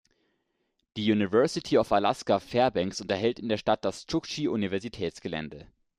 Die University of Alaska Fairbanks unterhält in der Stadt das "Chukchi"-Universitätsgelände.